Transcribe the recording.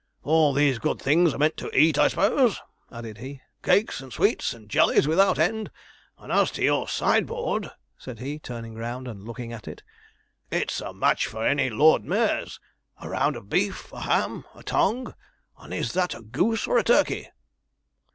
'All these good things are meant to eat, I s'pose,' added he: 'cakes, and sweets, and jellies without end: and as to your sideboard,' said he, turning round and looking at it, 'it's a match for any Lord Mayor's. A round of beef, a ham, a tongue, and is that a goose or a turkey?'